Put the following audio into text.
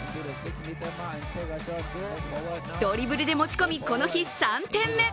ドリブルで持ち込み、この日、３点目。